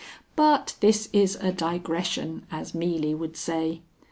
But this is a digression, as Meeley would say.